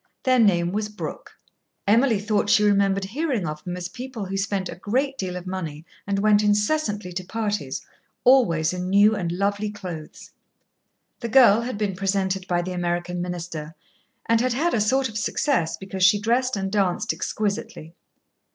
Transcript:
Their name was Brooke. Emily thought she remembered hearing of them as people who spent a great deal of money and went incessantly to parties, always in new and lovely clothes. The girl had been presented by the American minister, and had had a sort of success because she dressed and danced exquisitely.